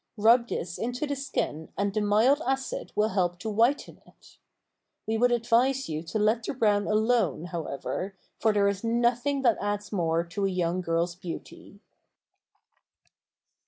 Rub this into the skin and the mild acid will help to whiten it. We would advise you to let the brown alone, however, for there is nothing that adds more to a young girl's beauty.